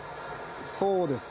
そうです。